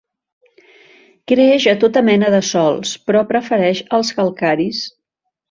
Creix a tota mena de sòls, però prefereix els calcaris.